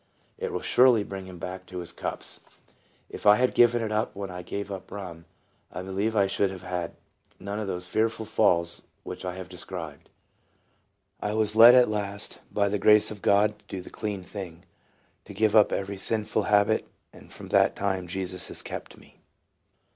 It will surely bring him back to his cups. If I had given it up when I gave up rum, I believe I should have had none of those fearful falls which I have described. I was led at last, by the grace of God, to do the clean thing to give up every sinful habit, and from that time Jesus has kept me.